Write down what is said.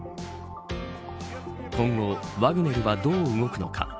今後ワグネルはどう動くのか。